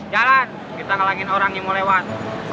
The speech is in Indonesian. jalan kita ngalangin orang yang mau lewat